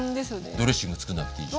ドレッシングつくんなくていいでしょ？